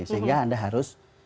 sehingga anda harus